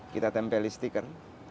kita tempeli stiker